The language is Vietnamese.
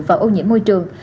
và ô nhiễm môi trường